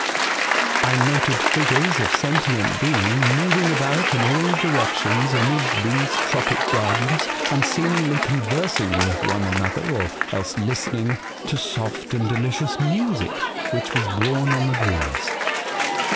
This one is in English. "I noted figures of sentient being moving about in all directions amid these tropic gardens, and seemingly conversing with one another, or else listening to soft and delicious music which was borne on the breeze.